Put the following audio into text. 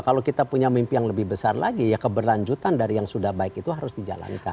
kalau kita punya mimpi yang lebih besar lagi ya keberlanjutan dari yang sudah baik itu harus dijalankan